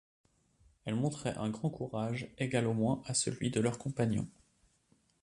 Elles montraient un grand courage, égal au moins à celui de leurs compagnons.